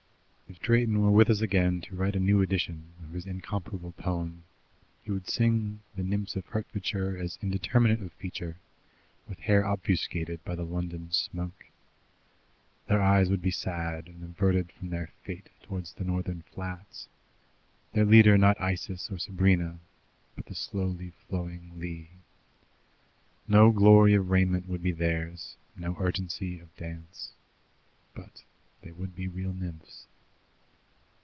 If Drayton were with us again to write a new edition of his incomparable poem, he would sing the nymphs of Hertfordshire as indeterminate of feature, with hair obfuscated by the London smoke. Their eyes would be sad, and averted from their fate towards the Northern flats, their leader not Isis or Sabrina, but the slowly flowing Lea. No glory of raiment would be theirs, no urgency of dance; but they would be real nymphs.